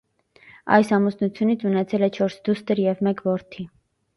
Այս ամուսնությունից ունեցել է չորս դուստր և մեկ որդի։